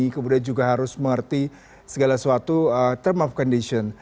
kemudian juga harus mengerti segala suatu term of condition